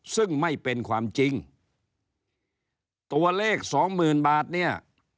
ซึ่งไม่เป็นความจริงตัวเลขสองหมื่นบาทเนี่ย